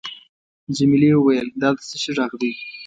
جميلې وويل:: دا د څه شي ږغ دی؟